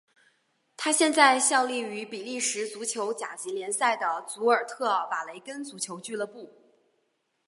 他现在效力于比利时足球甲级联赛的祖尔特瓦雷根足球俱乐部。